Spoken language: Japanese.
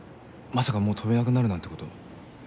まさかもう飛べなくなるなんて事。